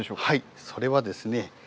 はいそれはですね